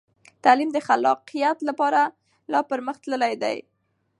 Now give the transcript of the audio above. تعلیم د خلاقیت لپاره لا پرمخ تللی دی.